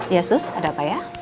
ya sus ada apa ya